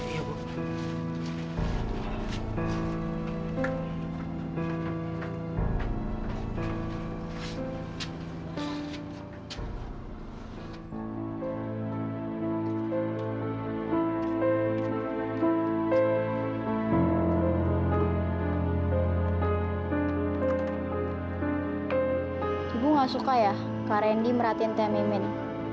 ibu gak suka ya kak rendy merhatiin temi mimin